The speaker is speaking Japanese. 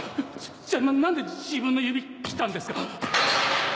じゃあなんで自分の指切ったんですか？